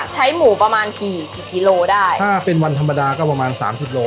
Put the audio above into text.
ใช้หมูประมาณกี่กี่กิโลได้ถ้าเป็นวันธรรมดาก็ประมาณสามสิบโล